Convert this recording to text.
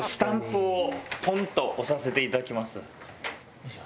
よいしょ。